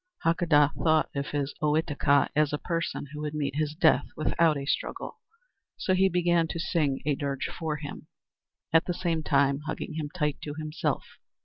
Hakadah thought of his Ohitika as a person who would meet his death without a struggle, so he began to sing a dirge for him, at the same time hugging him tight to himself.